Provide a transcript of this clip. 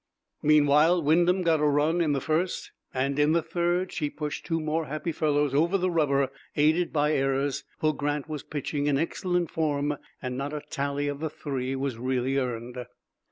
Meanwhile Wyndham got a run in the first, and in the third she pushed two more happy fellows over the rubber, aided by errors; for Grant was pitching in excellent form, and not a tally of the three was really earned.